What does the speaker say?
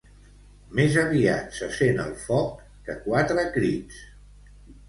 Més aviat se sent el foc que quatre crits.